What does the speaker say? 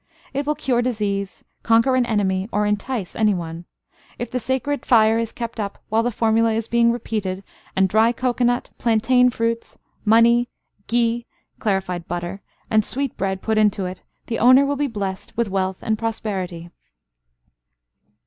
It will cure disease, conquer an enemy, or entice any one. If the sacred fire is kept up while the formula is being repeated, and dry cocoanut, plantain fruits, money, ghi (clarified butter), and sweet bread put into it, the owner will be blessed with wealth and prosperity.